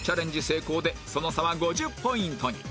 成功でその差は５０ポイントに